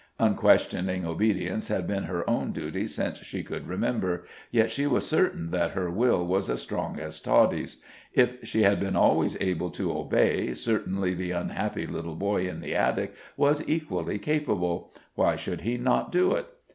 Unquestioning obedience had been her own duty since she could remember, yet she was certain that her will was as strong as Toddie's. If she had been always able to obey, certainly the unhappy little boy in the attic was equally capable why should he not do it?